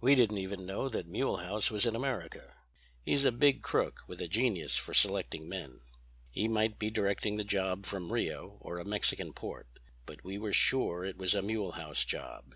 "We didn't even know that Mulehaus was in America. He's a big crook with a genius for selecting men. He might be directing the job from Rio or a Mexican port. But we were sure it was a Mulehaus' job.